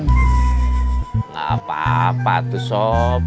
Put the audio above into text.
gak apa apa tuh sob